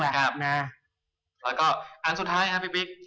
แล้วก็อันสุดท้ายครับพี่บิ๊ก